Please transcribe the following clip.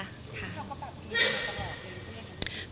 พี่กี้กี้ก็แบบอยู่ตลอดเลยใช่ไหมครับ